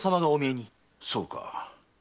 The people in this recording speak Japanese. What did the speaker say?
そうか。